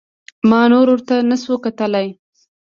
ما نور ورته نسو کتلى.